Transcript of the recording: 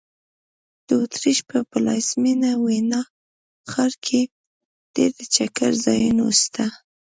د اوترېش په پلازمېنه ویانا ښار کې ډېر د چکر ځایونه سته.